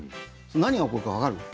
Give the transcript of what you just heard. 何が起こるか分かる。